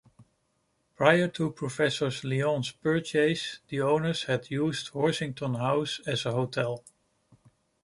Prior to Professor Lyon's purchase, the owners had used Horsington House as a hotel.